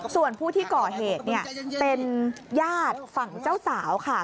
ส่วนผู้ที่ก่อเหตุเป็นญาติฝั่งเจ้าสาวค่ะ